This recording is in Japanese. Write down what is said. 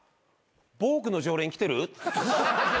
ボークの常連来てる？